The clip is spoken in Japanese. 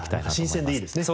新鮮でいいですね。